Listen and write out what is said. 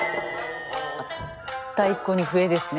太鼓に笛ですね